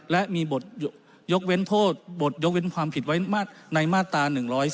และมีบทยกเว้นโทษบทยกเว้นความผิดไว้ในมาตรา๑๔